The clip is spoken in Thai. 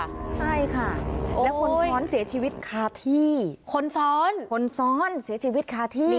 ใช่ค่ะแล้วคนซ้อนเสียชีวิตคาที่คนซ้อนคนซ้อนเสียชีวิตคาที่